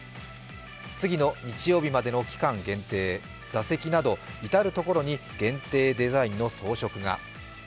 次の日曜日までの期間限定、座席など至る所に限定デザインの装飾が。